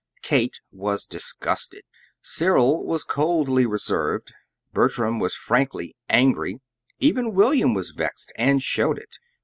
Kate was disgusted; Cyril was coldly reserved; Bertram was frankly angry; even William was vexed, and showed it.